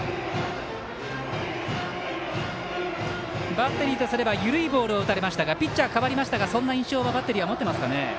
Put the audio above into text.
バッテリーとすれば緩いボールを打たれましたがピッチャー代わりましたがそんな印象はバッテリー持っていますかね。